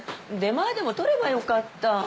出前でも取ればよかった。